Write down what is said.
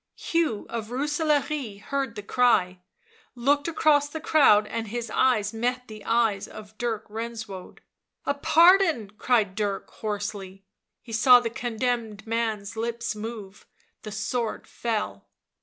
Hugh of Rooselaare heard the cry ; he looked across the crowd and his eyes met the eyes of Dirk Renswoude. "A pardon!" cried Dirk hoarsely; he saw the con demned man's lips move. The sword fell.